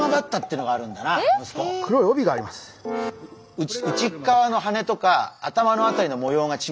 内っ側のハネとか頭の辺りの模様が違うの。